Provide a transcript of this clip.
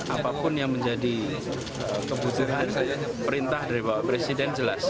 apapun yang menjadi kebutuhan perintah dari bapak presiden jelas